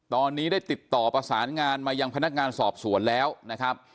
ตอนนี้ได้ติดต่อประสานงานมายังพนักงานสอบสวนแล้วนะครับ